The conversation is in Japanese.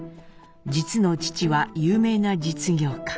実の父は有名な実業家。